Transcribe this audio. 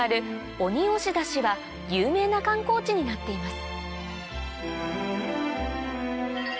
鬼押出しは有名な観光地になっています